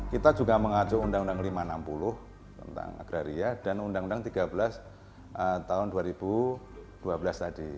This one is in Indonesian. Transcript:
kita juga mengacu undang undang lima ratus enam puluh tentang agraria dan undang undang tiga belas tahun dua ribu dua belas tadi